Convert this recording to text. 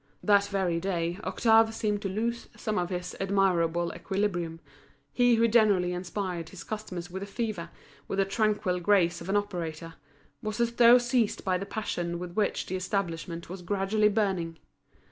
That very day Octave seemed to lose some of his admirable equilibrium; he who generally inspired his customers with a fever, with the tranquil grace of an operator, was as though seized by the passion with which the establishment was gradually burning.